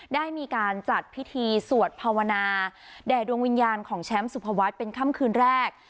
ได้มีการจัดพิธีสวดภาวนาแด่ดวงวิญญาณของแชมป์สุภวัฒน์เป็นค่ำคืนแรก